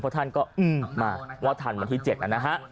เพราะท่านก็มาว่าทันวันที่๗นะฮะ